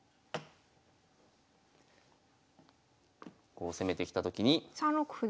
こう攻めてきた時に。